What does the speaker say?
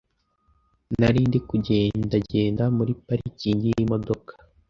nari ndi kugendagenda muri parikingi y’imodoka,